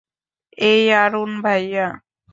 এই, আরুন ভাইয়া।